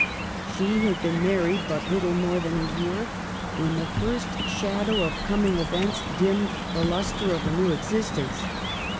She had been married but little more than a year when the first shadow of coming events dimmed the lustre of her new existence.